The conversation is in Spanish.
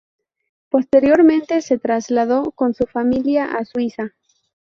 Posteriormente se trasladó con su familia a Suiza.